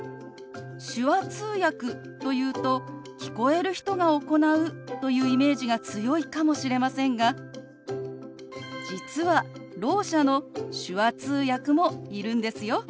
手話通訳というと聞こえる人が行うというイメージが強いかもしれませんが実はろう者の手話通訳もいるんですよ。